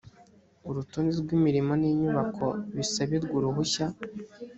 urutonde rw’imirimo n’inyubako bisabirwa uruhushya